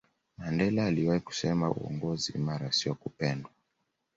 mandela aliwahi kusema uongozi imara siyo kupendwa